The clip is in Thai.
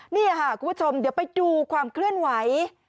นี่ค่ะคุณผู้ชมเดี๋ยวไปดูความเคลื่อนไหว